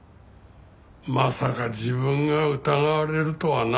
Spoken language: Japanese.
まさか自分が疑われるとはな。